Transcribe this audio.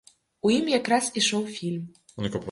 У ім якраз ішоў фільм.